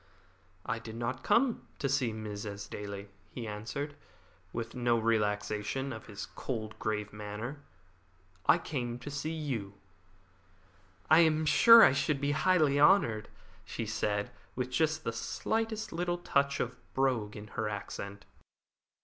"I did not come to see Mrs. Esdaile," he answered, with no relaxation of his cold and grave manner; "I came to see you." "I am sure I should be highly honoured," she said, with just the slightest little touch of brogue in her accent.